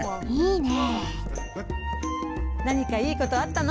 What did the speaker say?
なにかいいことあったの？